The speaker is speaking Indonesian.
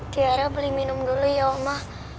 dia beli minum dulu ya oma